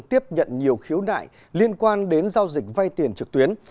tiếp nhận nhiều khiếu nại liên quan đến giao dịch vay tiền trực tuyến